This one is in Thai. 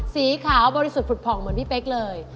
สีขาวบริสุทธิ์ฝึกผ่องเหมือนพี่เป๊กเลย